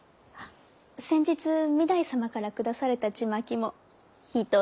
先日御台様から下されたちまきも一人でぺろりと。